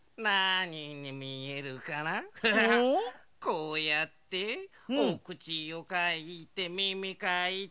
こうやっておくちをかいてみみかいて。